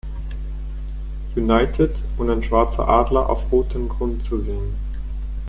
United, und ein schwarzer Adler auf roten Grund zu sehen.